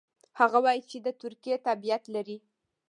هغه وايي چې د ترکیې تابعیت لري.